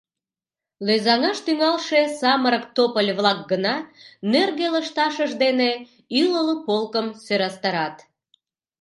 Лӧзаҥаш тӱҥалше самырык тополь-влак гына нӧргӧ лышташышт дене ӱлыл полкым сӧрастарат.